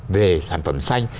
về sản phẩm xanh